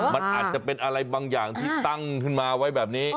มันอาจจะเป็นอะไรบางอย่างที่ตั้งขึ้นมาไว้แบบนี้